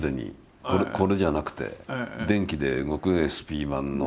これじゃなくて電気で動くＳＰ盤の。